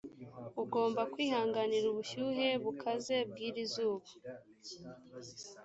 ugomba kwihanganira ubushyuhe bukaze bwiri zuba